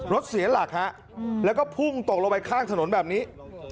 รถเสียหลักฮะแล้วก็พุ่งตกลงไปข้างถนนแบบนี้